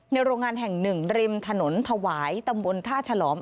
โรงงานแห่งหนึ่งริมถนนถวายตำบลท่าฉลอม